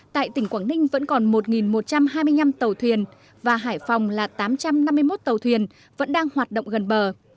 tại tỉnh quảng ninh vẫn còn một một trăm hai mươi năm tàu thuyền và hải phòng là tám trăm năm mươi một tàu thuyền vẫn đang hoạt động gần bờ